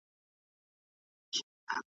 هم له کلیو هم له ښار دعوې راتللې .